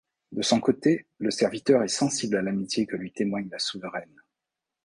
De son côté, le serviteur est sensible à l'amitié que lui témoigne la souveraine.